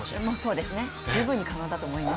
そうですね、十分に可能だと思います。